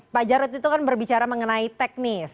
pak jarod itu kan berbicara mengenai teknis